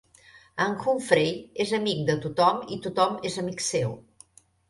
En Humphrey és amic de tothom i tothom és amic seu.